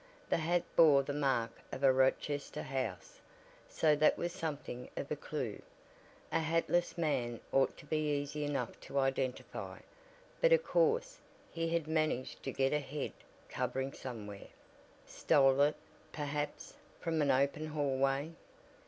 The hat bore the mark of a Rochester house, so that was something of a clew. A hatless man ought to be easy enough to identify, but of course, he had managed to get a head covering somewhere; stole it, perhaps, from an open hallway.